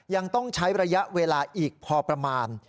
ยังต้องใช้ระยะเวลาอีกพอประมาณ